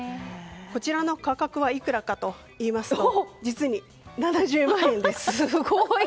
こちらの価格はいくらかといいますと実に７０万円です。